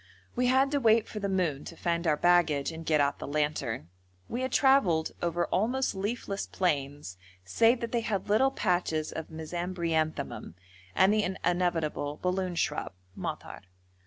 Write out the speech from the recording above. We had to wait for the moon, to find our baggage and get out the lantern. We had travelled over almost leafless plains save that they had little patches of mesembryanthemum, and the inevitable balloon shrub (madhar).